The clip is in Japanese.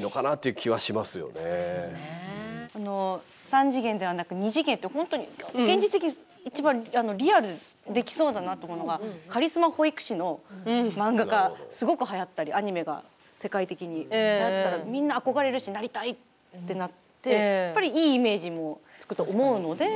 ３次元ではなく２次元って、本当に現実的に一番リアルにできそうだなと思うのがカリスマ保育士の漫画がすごく、はやったりアニメが世界的に、はやったらみんな憧れるしなりたいってなってやっぱり、いいイメージもつくと思うので。